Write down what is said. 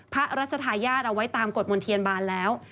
พระราชทายาทเอาไว้ตามกฎมนเทียนบานแล้ว